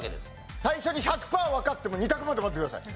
最初に１００パーわかっても２択まで待ってください。